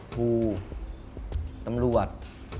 ทั้งตำรวจ